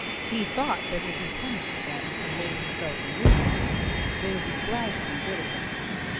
He thought that if he punished them and made himself a nuisance, they would be glad to be rid of him.